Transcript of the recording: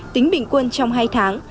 tính bình quân trong hai tháng